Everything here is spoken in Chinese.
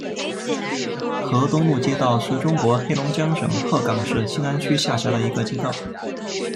河东路街道是中国黑龙江省鹤岗市兴安区下辖的一个街道。